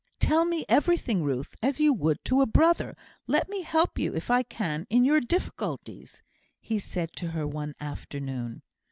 "Tell me everything, Ruth, as you would to a brother; let me help you, if I can, in your difficulties," he said to her one afternoon.